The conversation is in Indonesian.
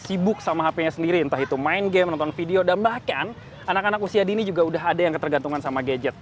sibuk sama hp nya sendiri entah itu main game nonton video dan bahkan anak anak usia dini juga udah ada yang ketergantungan sama gadget